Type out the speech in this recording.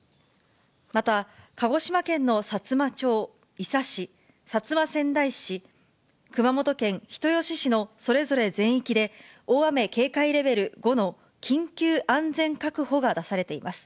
また、鹿児島県のさつま町、伊佐市、薩摩川内市、熊本県人吉市のそれぞれ全域で、大雨警戒レベル５の緊急安全確保が出されています。